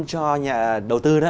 cho nhà đầu tư